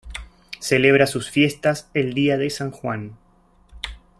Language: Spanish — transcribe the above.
Celebra sus fiestas el día de San Juan.